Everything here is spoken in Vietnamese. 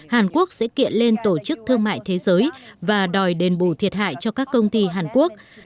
hàn quốc sẽ kiện lên tổ chức thương mại thế giới và đòi đền bù thiệt hại cho các công ty hàn quốc